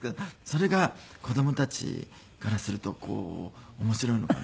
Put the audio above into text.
それが子供たちからするとこう面白いのかなと。